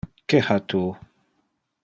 Que ha tu?